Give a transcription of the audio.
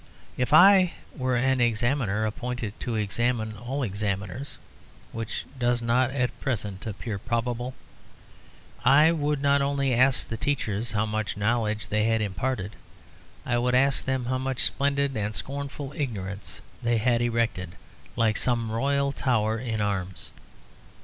If I were an examiner appointed to examine all examiners (which does not at present appear probable), I would not only ask the teachers how much knowledge they had imparted; I would ask them how much splendid and scornful ignorance they had erected, like some royal tower in arms.